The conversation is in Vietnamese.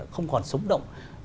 không còn sống động